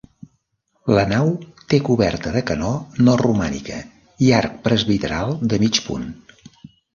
La nau té coberta de canó no romànica i arc presbiteral de mig punt.